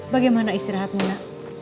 bagaimana istirahatmu ya